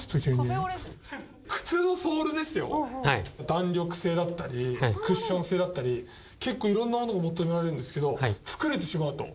弾力性だったりクッション性だったり結構いろんなものが求められるんですけど作れてしまうと？